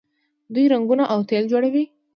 دوی رنګونه او تیل جوړوي.